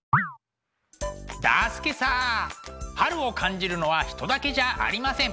だすけさあ春を感じるのは人だけじゃありません。